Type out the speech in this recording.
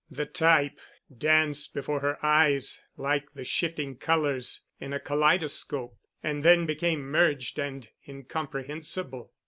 The type danced before her eyes like the shifting colors in a kaleidoscope and then became merged and incomprehensible.